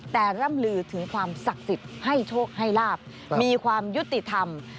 แต่ร่ำลือถึงความศักดิ์สิทธิ์ให้โชคให้ลาบมีความยุติธรรม